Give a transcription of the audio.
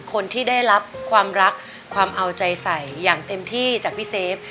คนที่ได้รับความรักความเอาใจใส่อย่างเต็มที่จากพี่เซฟ